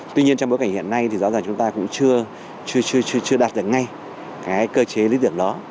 tuy nhiên trong bối cảnh hiện nay thì giáo dục chúng ta cũng chưa đạt được ngay cái cơ chế lý tưởng đó